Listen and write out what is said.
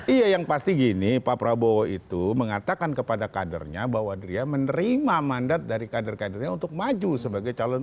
iya yang pasti gini pak prabowo itu mengatakan kepada kadernya bahwa dia menerima mandat dari kader kadernya untuk maju sebagai calon